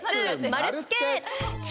丸つけ！